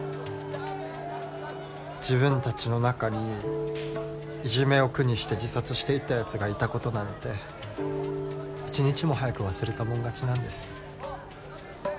自分たちの中にいじめを苦にして自殺していったやつがいたことなんて１日も早く忘れたもん勝ちなんです。